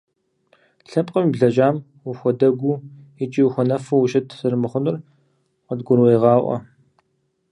Лъэпкъым и блэкӀам ухуэдэгуу икӀи ухуэнэфу ущыт зэрымыхъунур къыдгурегъаӀуэ.